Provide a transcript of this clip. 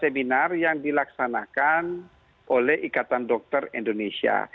seminar yang dilaksanakan oleh ikatan dokter indonesia